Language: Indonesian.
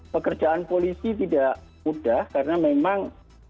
pekerjaan polisi tidak mudah karena memang